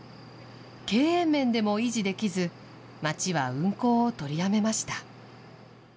経営面でも維持できず、町は運行を取りやめました。